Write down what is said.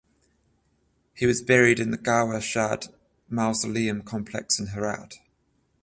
He was buried in the Gawhar Shad Mausoleum complex in Herat.